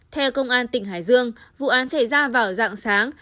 theo công an tỉnh hải dương vụ án xảy ra vào dạng sáng